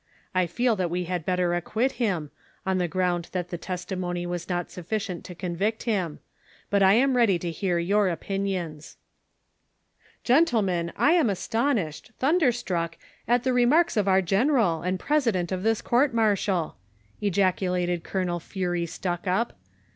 I feel that we liad better acquit him, on the ground that the testi mony was not sutticient to convict him ; but I am ready to hear your ojiinions. "" Gentlemen, I am astonished, thunderstruck, at the re marks of our general, and ])resident of tliis court martial." ejaculated Colonel Fury Stucku]).